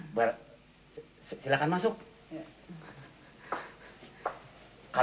nah ini sarangnya